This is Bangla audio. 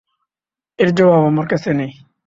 এর জবাব আমার কাছে নেই।